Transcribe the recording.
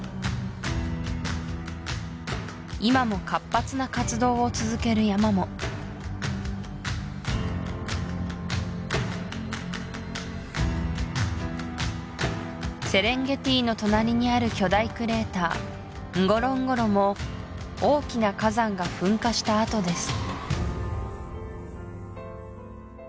今も活発な活動を続ける山もセレンゲティの隣にある巨大クレーターンゴロンゴロも大きな火山が噴火した跡です